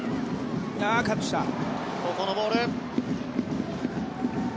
ここのボール。